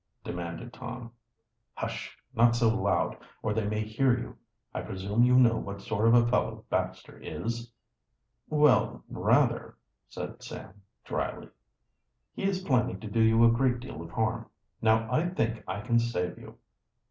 demanded Tom. "Hush! not so loud or they may hear you. I presume you know what sort of a fellow Baxter is?" "Well, rather," said Sam dryly. "He is planning to do you a great deal of harm. Now I think I can save you."